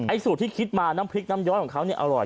สูตรที่คิดมาน้ำพริกน้ำย้อยของเขาเนี่ยอร่อย